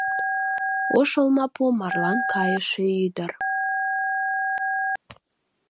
Ош олмапу — марлан кайыше ӱдыр…